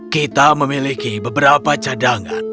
kita memiliki beberapa cadangan